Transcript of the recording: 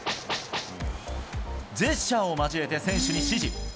ジェスチャーを交えて選手に指示。